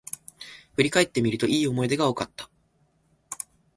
振り返ってみると、良い思い出が多かった